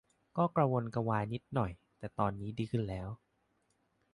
ก็กระวนกระวายนิดหน่อย แต่ตอนนี้ดีขึ้นแล้ว